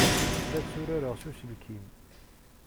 La tturareɣ s uselkim.